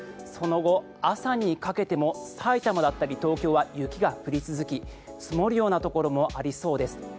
その後、朝にかけてもさいたまだったり東京は雪が降り続き積もるようなところもありそうです。